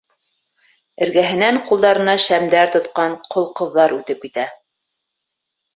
Эргәһенән ҡулдарына шәмдәр тотҡан ҡол ҡыҙҙар үтеп китә.